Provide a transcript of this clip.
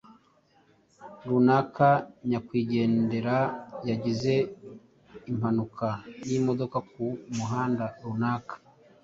runaka. Nyakwigendera yazize impanuka y’imodoka ku muhanda runaka.